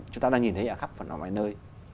chúng ta đang nhìn thấy ở khắp và ngoài nơi